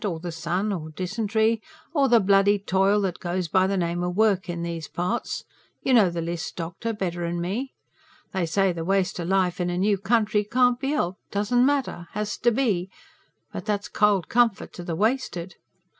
or the sun ... or dysentery... or the bloody toil that goes by the name o' work in these parts you know the list, doctor, better'n me. They say the waste o' life in a new country can't be helped; doesn't matter; has to be. But that's cold comfort to the wasted. No!